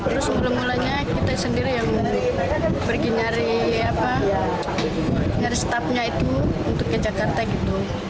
terus mula mulanya kita sendiri yang pergi nyari staffnya itu untuk ke jakarta gitu